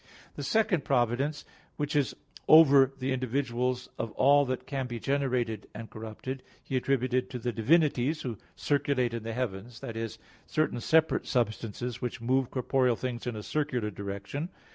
The second providence, which is over the individuals of all that can be generated and corrupted, he attributed to the divinities who circulate in the heavens; that is, certain separate substances, which move corporeal things in a circular direction.